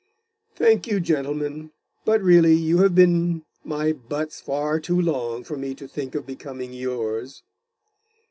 'Thank you, gentlemen. But really you have been my butts far too long for me to think of becoming yours.